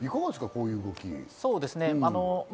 こういう動き。